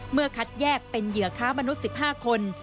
คัดแยกเป็นเหยื่อค้ามนุษย์๑๕คน